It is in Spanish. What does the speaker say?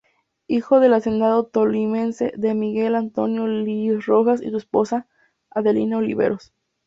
Hijo del hacendado tolimense D. Miguel Antonio Lis Rojas y su esposa, Adelina Oliveros.